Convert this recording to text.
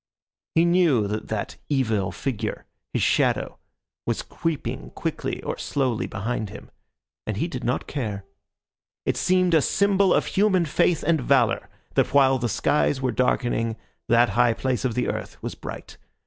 He knew that that evil figure, his shadow, was creeping quickly or slowly behind him, and he did not care. It seemed a symbol of human faith and valour that while the skies were darkening that high place of the earth was bright.